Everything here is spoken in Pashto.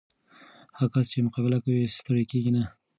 هغه کس چې مقابله کوي، ستړی کېږي نه.